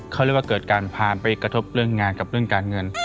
เขาเรียกว่าเกิดการผ่านไปกระทบเรื่องงานกับเรื่องการเงิน